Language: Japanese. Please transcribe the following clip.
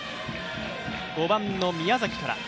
５番の宮崎から。